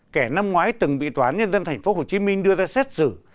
kẻ năm ngoái từng bị toán nhân dân tp hcm đưa ra xét xử